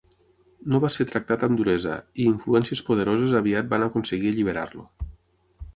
No va ser tractat amb duresa, i influències poderoses aviat van aconseguir alliberar-lo.